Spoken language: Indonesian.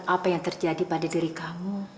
apa yang terjadi pada diri kamu